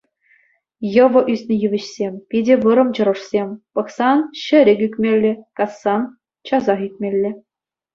Йӑвӑ ӳснӗ йывӑҫсем, питӗ вӑрӑм чӑрӑшсем, пӑхсан — ҫӗлӗк ӳкмелле, кассан — часах ӳкмелле.